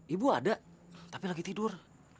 ibu ada tapi lagi tidur